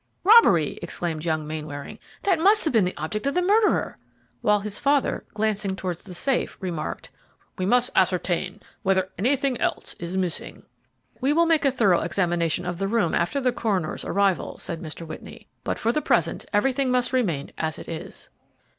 "Robbery!" exclaimed young Mainwaring; "that must have been the object of the murderer!" While his father, glancing towards the safe, remarked, "We must ascertain whether anything else is missing." "We will make a thorough examination of the room after the coroner's arrival," said Mr. Whitney, "but, for the present, everything must remain as it is."